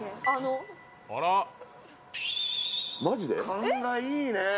勘がいいね。